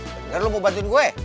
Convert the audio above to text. bener lo mau bantuin gue